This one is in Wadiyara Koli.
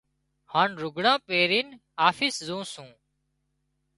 هانَ لگھڙان پيرينَ آفس زُون سُون۔